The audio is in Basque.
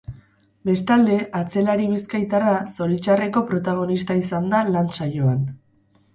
Bestalde, atzelari bizkaitarra zoritxarreko protagonista izan da lan saioan.